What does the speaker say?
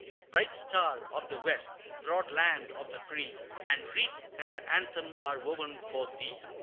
Bright Star of the West broad Land of the Free, The wreath and the anthem are woven for thee!